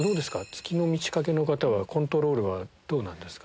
『月の満ち欠け』の方はコントロールはどうなんですか？